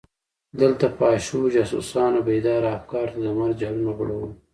دلته فحاشو جاسوسانو بېداره افکارو ته د مرګ جالونه غوړولي.